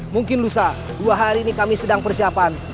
mungkin lusa dua hari ini kami sedang persiapan